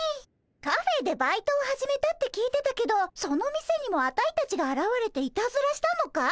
カフェでバイトを始めたって聞いてたけどその店にもアタイたちがあらわれていたずらしたのかい？